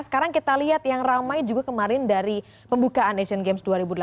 sekarang kita lihat yang ramai juga kemarin dari pembukaan asian games dua ribu delapan belas